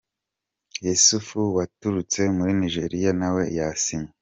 Yussuf waturutse muri Nigeria nawe yasinye.